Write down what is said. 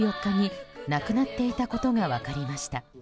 １４日に亡くなっていたことが分かりました。